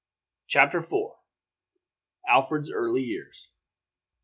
CHAPTER IV ALFRED'S EARLY YEARS.